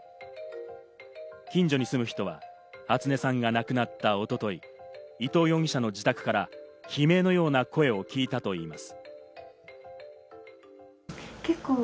近所に住む人は初音さんが亡くなった一昨日、伊藤容疑者の自宅から悲鳴のような声を聞いたといいます。